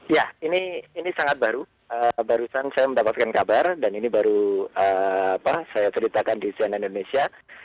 ya ini sangat baru barusan saya mendapatkan kabar dan ini baru saya ceritakan di cnn indonesia